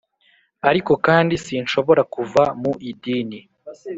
ariko kandi, sinshobora kuva mu idini,